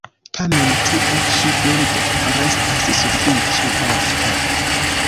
Tamen, tiu ĉi birdo restas sufiĉe ofta.